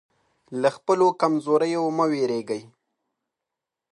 له خپلو کمزوریو مه وېرېږئ.